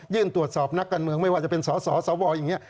ตรวจสอบนักการเมืองไม่ว่าจะเป็นสสวอย่างนี้